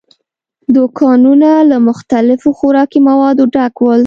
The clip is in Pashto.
دوکانونه له مختلفو خوراکي موادو ډک ول.